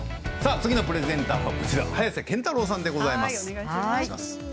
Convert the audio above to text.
次のプレゼンターは早瀬憲太郎さんでございます。